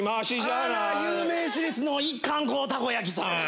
あら有名私立の一貫校たこ焼きさん。